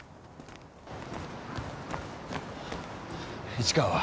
市川は？